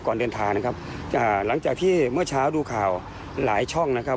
ก่อนเดินทางนะครับอ่าหลังจากที่เมื่อเช้าดูข่าวหลายช่องนะครับ